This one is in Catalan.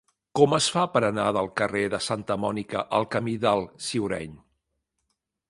Com es fa per anar del carrer de Santa Mònica al camí del Ciureny?